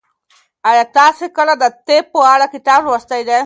ایا تاسي کله د طب په اړه کتاب لوستی دی؟